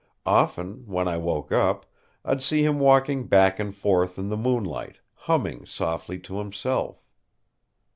Often, when I woke up, I'd see him walking back and forth in the moonlight, humming softly to himself.